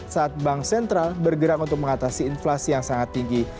saat bank sentral bergerak untuk mengatasi inflasi yang sangat tinggi